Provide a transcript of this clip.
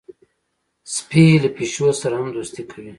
سپي له پیشو سره هم دوستي کوي.